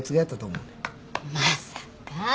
まさか。